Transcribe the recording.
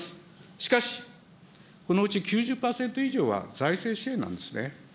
しかし、このうち９０％以上は財政支援なんですね。